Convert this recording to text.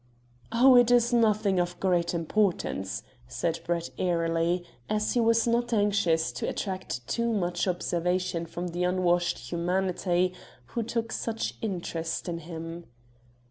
"Oh, it is nothing of great importance," said Brett airily, as he was not anxious to attract too much observation from the unwashed humanity who took such interest in him.